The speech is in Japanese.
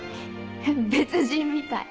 別人みたい。